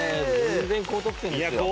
全然高得点ですよ。